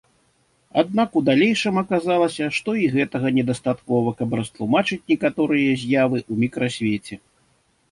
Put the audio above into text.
Аднак у далейшым аказалася, што і гэтага недастаткова, каб растлумачыць некаторыя з'явы ў мікрасвеце.